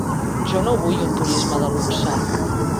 Jo no vull un turisme de luxe.